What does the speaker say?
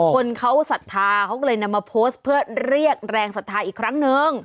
คนเขาศรัทธาเขาก็เลยนำมาโพสต์เพื่อเรียกแรงศรัทธาอีกครั้งนึง